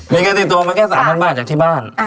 มีเงินติดตัวมาแค่๓๐๐บาทจากที่บ้าน